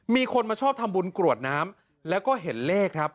มีคนมาชอบทำบุญกรวดน้ำแล้วก็เห็นเลขครับ